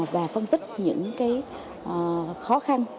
và phân tích những khó khăn